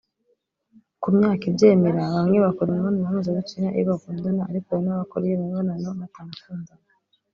Ku myaka ibyemera bamwe bakora imibonano mpuzabitsinda iyo bakundana ariko hari n’abakora iyo mibonano batanakundana